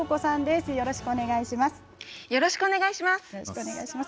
よろしくお願いします。